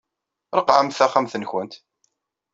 Ṛeqqɛemt taxxamt-nkent.